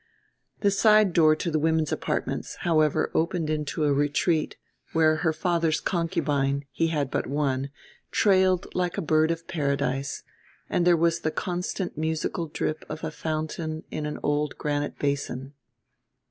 The side door to the women's apartments, however, opened into a retreat, where her father's concubine, he had but one, trailed like a bird of paradise, and there was the constant musical drip of a fountain in an old granite basin.